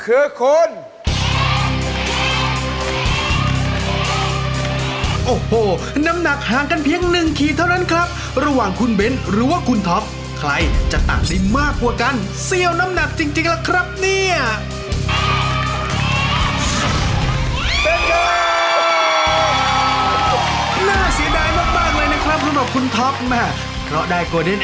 เอาคลับบ้านไปเลย